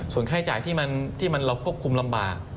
ส่วนค่าจ่ายที่เราควบคุมลำบาก